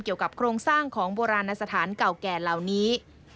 เกี่ยวกับโครงสร้างของบูรณสถานเก่าแก่เหล่านี้